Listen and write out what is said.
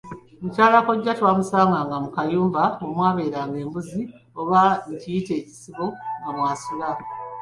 Mukyala kkojja twamusanga mu kayumba omwabeeranga embuzi oba nkiyite kisibo, nga mw'asula.